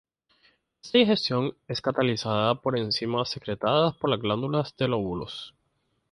Esta digestión es catalizada por enzimas secretadas por las glándulas de los lóbulos.